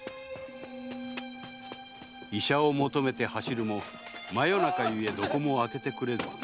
「医者を求めて走るも真夜中ゆえどこも開けてくれず」